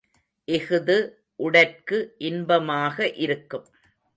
இஃது உடற்கு இன்பமாக இருக்கும்.